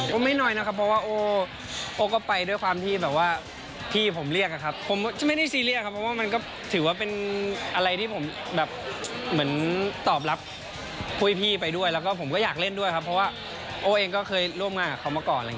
ไม่น้อยนะครับเพราะว่าโอ้ก็ไปด้วยความที่แบบว่าพี่ผมเรียกอะครับผมไม่ได้ซีเรียสครับเพราะว่ามันก็ถือว่าเป็นอะไรที่ผมแบบเหมือนตอบรับคุยพี่ไปด้วยแล้วก็ผมก็อยากเล่นด้วยครับเพราะว่าโอ้เองก็เคยร่วมงานกับเขามาก่อนอะไรอย่างนี้